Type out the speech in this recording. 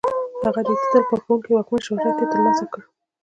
هغه د اعتدال خوښونکي واکمن شهرت یې تر لاسه کړ.